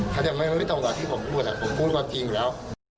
เค้าจะไม้ไม่ต้องกลับที่ผมพูดแต่ผมพูดกว่าจริงอยู่แล้ว